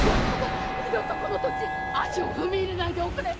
二度とこの地に足を踏み入れないでおくれ。